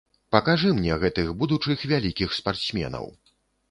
Пакажы мне гэтых будучых вялікіх спартсменаў.